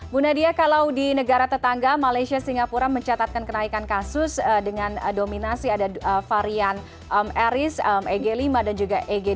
bu nadia kalau di negara tetangga malaysia singapura mencatatkan kenaikan kasus dengan dominasi ada varian aris eg lima dan juga eg